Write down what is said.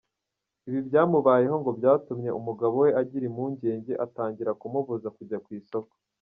Ibi byamubayeho ngo byatumye umugabo we agira impungenge atangira kumubuza kujya ku isoko.